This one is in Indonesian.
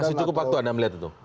masih cukup waktu anda melihat itu